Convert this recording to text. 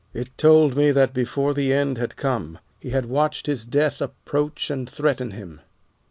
It told me that before the end had come he had watched his death approach and threaten him.